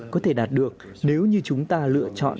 có thể đạt được nếu như chúng ta lựa chọn